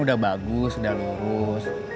udah mingsik warenpun